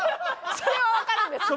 それはわかるんですね。